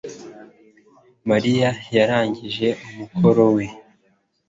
mariya yarangije umukoro we